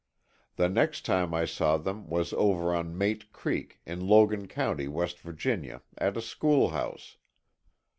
The next time I saw them was over on Mate Creek, in Logan County, West Virginia, at a schoolhouse.